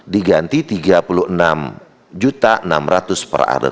diganti tiga puluh enam enam ratus per atlet